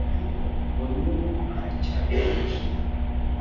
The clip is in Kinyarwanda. ngo n’ubu aracyabikomeje